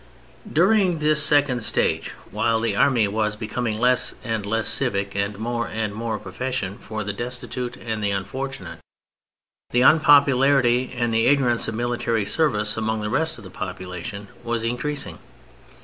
During this second stage, while the Army was becoming less and less civic, and more and more a profession for the destitute and the unfortunate, the unpopularity and the ignorance of military service among the rest of the population, was increasing.